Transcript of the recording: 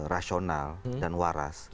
rasional dan waras